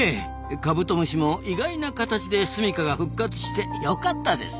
カブトムシも意外な形ですみかが復活してよかったですな。